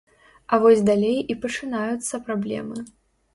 А вось далей і пачынаюцца праблемы.